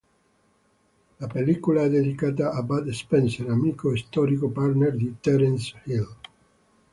La pellicola è dedicata a Bud Spencer, amico e storico partner di Terence Hill.